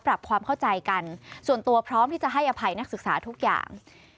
ปรับความเข้าใจกันส่วนตัวพร้อมที่จะให้อภัยนักศึกษาทุกอย่าง